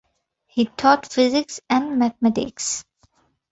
He taught Physics and Mathematics.